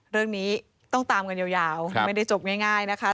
เรื่องนี้ต้องตามกันยาวไม่ได้จบง่ายนะคะ